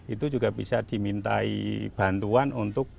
itu juga bisa dimintai bantuan untuk